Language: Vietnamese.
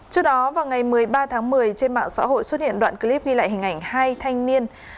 trước đó vào ngày một mươi ba tháng một mươi trên mạng xã hội xuất hiện đoạn clip ghi lại hình ảnh hai thanh niên